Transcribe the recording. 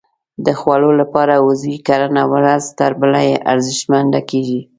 د خوړو لپاره عضوي کرنه ورځ تر بلې ارزښتمنه کېږي.